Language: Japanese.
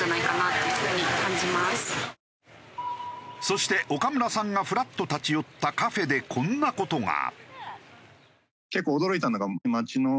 そして岡村さんがフラッと立ち寄ったカフェでこんな事が。